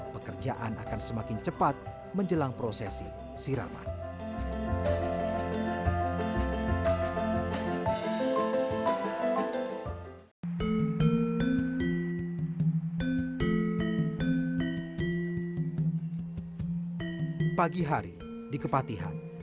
pekerjaan akan semakin cepat menjelang prosesi siraman